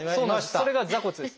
それが座骨です。